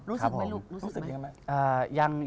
รู้สึกไหมลูกรู้สึกยังไง